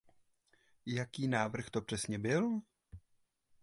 Jaký návrh to přesně byl?